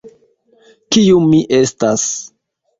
Kiu mi estas?